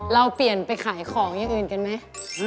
เราเปลี่ยนไปขายของอย่างอื่นกันไหม